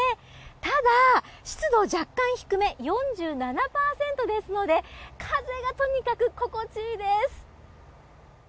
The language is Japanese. ただ、湿度は若干低め４７％ですので風がとにかく心地いいです。